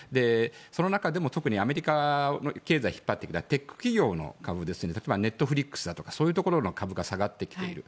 その中でも特にアメリカの経済を引っ張ってきたテック企業の株例えばＮｅｔｆｌｉｘとかそういうところの株が下がってきている。